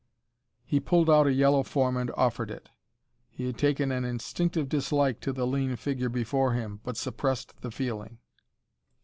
He pulled out a yellow form and offered it. He had taken an instinctive dislike to the lean figure before him, but suppressed the feeling.